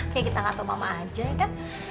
kayak kita gak tau mama aja ya kan